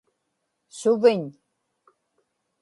suviñ